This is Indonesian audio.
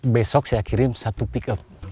besok saya kirim satu pickup